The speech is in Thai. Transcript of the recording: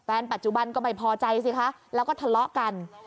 ปัจจุบันก็ไม่พอใจสิคะแล้วก็ทะเลาะกัน